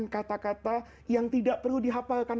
kata kata yang tidak perlu di hafalkan